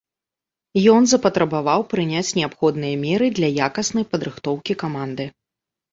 Ён запатрабаваў прыняць неабходныя меры для якаснай падрыхтоўкі каманды.